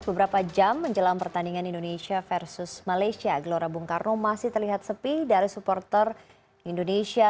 beberapa jam menjelang pertandingan indonesia versus malaysia gelora bung karno masih terlihat sepi dari supporter indonesia